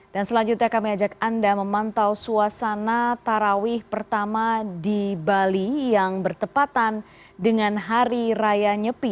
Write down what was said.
dan selanjutnya kami ajak anda memantau suasana tarawih pertama di bali yang bertepatan dengan hari raya nyepi